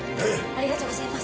ありがとうございます！